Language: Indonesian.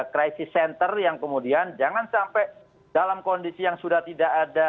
crisis center yang kemudian jangan sampai dalam kondisi yang sudah tidak ada